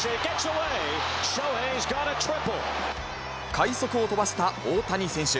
快足を飛ばした大谷選手。